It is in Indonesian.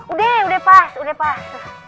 udah udah pas